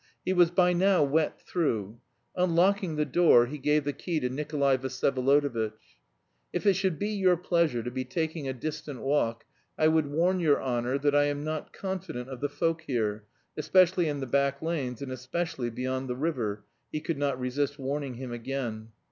He was by now wet through. Unlocking the door he gave the key to Nikolay Vsyevolodovitch. "If it should be your pleasure to be taking a distant walk, I would warn your honour that I am not confident of the folk here, especially in the back lanes, and especially beyond the river," he could not resist warning him again.